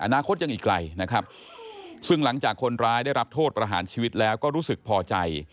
อนาคตยังอีกไกลนะครับซึ่งหลังจากคนร้ายได้รับโทษประหารชีวิตแล้วก็รู้สึกพอใจ